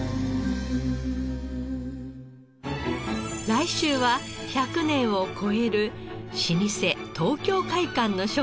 来週は１００年を超える老舗東京會舘の食材物語。